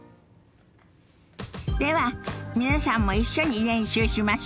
では皆さんも一緒に練習しましょ。